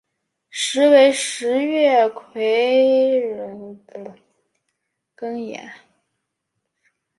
时为十月癸酉朔十八日庚寅。